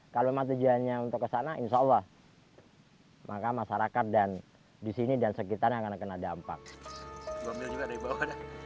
kalau memang tujuannya untuk kesana insya allah maka masyarakat dan di sini dan sekitarnya akan kena dampak